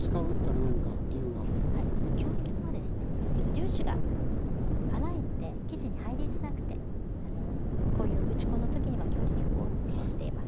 粒子が粗いので生地に入りづらくてこういう打ち粉のときには強力粉は適しています。